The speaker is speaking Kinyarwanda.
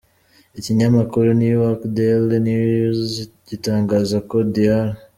Ikinyamakuru New York Daily News gitangaza ko Dr.